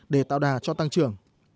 để tạo đà cho tăng trưởng